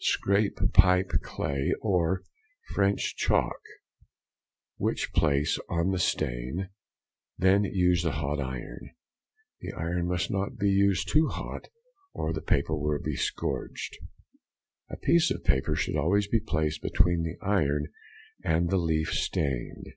Scrape pipe clay, or French chalk, which place on the stain, then use the hot iron. The iron must not be used too hot, or the paper will be scorched; a piece of paper should always be placed between the iron and the leaf stained.